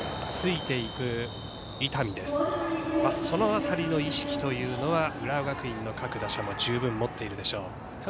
その辺りの意識というのは浦和学院の各打者も十分、持っているでしょう。